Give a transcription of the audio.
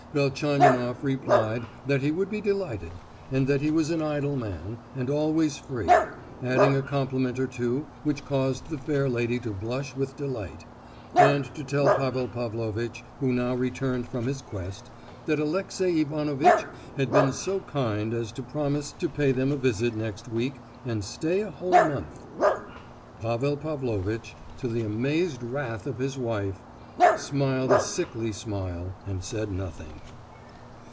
Velchaninoff replied that he would be delighted; and that he was an idle man, and always free—adding a compliment or two which caused the fair lady to blush with delight, and to tell Pavel Pavlovitch, who now returned from his quest, that Alexey Ivanovitch had been so kind as to promise to pay them a visit next week, and stay a whole month. Pavel Pavlovitch, to the amazed wrath of his wife, smiled a sickly smile, and said nothing.